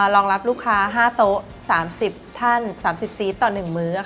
รองรับลูกค้าห้าโต๊ะ๓๐ท่านสามสิบซีตต่อหนึ่งมื้อค่ะ